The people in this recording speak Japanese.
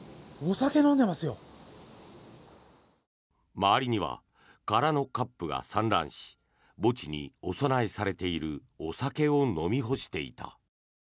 周りには空のカップが散乱し墓地にお供えされているお酒を飲み干していた。